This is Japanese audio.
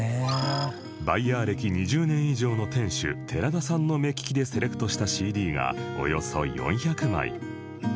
バイヤー歴２０年以上の店主寺田さんの目利きでセレクトした ＣＤ がおよそ４００枚